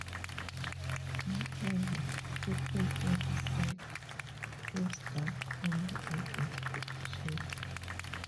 However subsequent research throws doubt on the identification.